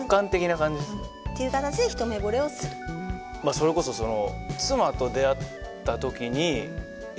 それこそその。